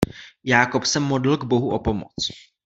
Jákob se modlil k Bohu o pomoc.